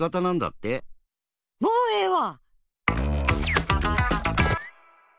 もうええわ！